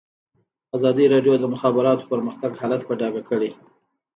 ازادي راډیو د د مخابراتو پرمختګ حالت په ډاګه کړی.